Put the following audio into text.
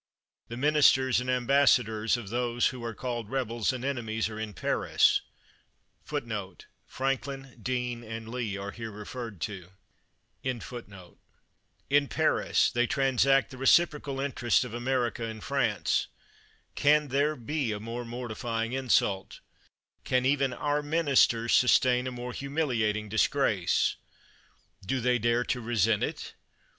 The ministers and em bassadors of those who are called rebels and enemies are in Paris 1 ; in Paris they transact the reciprocal interests of America and France. Can there be a more mortifying insult? Can even our ministers sustain a more humiliating disgrace? Do they dare to resent it?